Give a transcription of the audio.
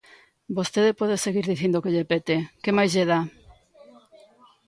Vostede pode seguir dicindo o que lle pete, ¡que máis lle dá!